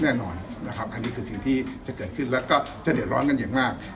อันนี้คือสิ่งที่จะเกิดขึ้นและก็จะเดินร้อนกันอย่างมาก